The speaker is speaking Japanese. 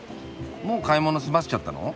もう買い物済ませちゃったの？